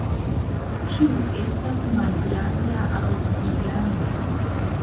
Ĉu estas malgranda aŭ giganta?